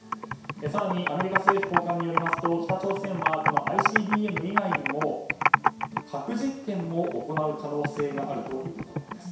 更にアメリカ政府高官によりますとＩＣＢＭ以外にも核実験も行う可能性があるということなんです。